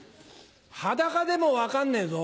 裸でも分かんねえぞ。